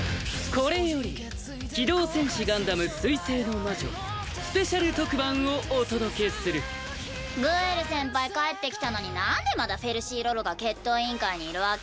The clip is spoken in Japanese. これより「機動戦士ガンダム水星の魔女」スペシャル特番をお届けするグエル先輩帰って来たのになんでまだフェルシー・ロロが決闘委員会にいるわけ？